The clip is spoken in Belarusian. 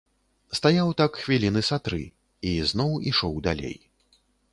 Стаяў так хвіліны са тры і зноў ішоў далей.